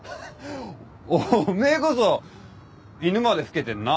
お前こそ犬まで老けてんな。